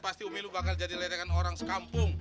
pasti umi lo bakal jadi letekan orang sekampung